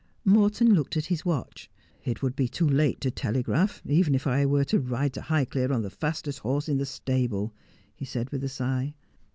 Morton looked at his watch. 1 It would be too late to telegraph, even if I were to ride to Highclere on the fastest horse in the stable,' he said with a sigh.